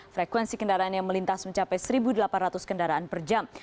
frekuensi kendaraan yang melintas mencapai satu delapan ratus kendaraan per jam